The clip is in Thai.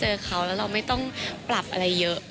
เจอเขาแล้วเราไม่ต้องปรับอะไรเยอะ